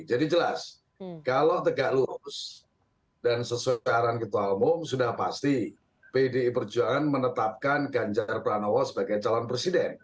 jadi jelas kalau tegak lurus dan sesuai arahan ketua umum sudah pasti pdi perjuangan menetapkan ganjar pranowo sebagai calon presiden